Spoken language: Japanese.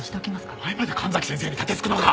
お前まで神崎先生に盾突くのか。